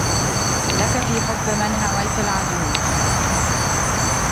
لج في حب من هويت العذول